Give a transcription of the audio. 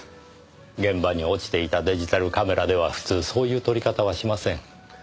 現場に落ちていたデジタルカメラでは普通そういう撮り方はしません。